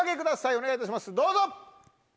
お願いいたしますどうぞ！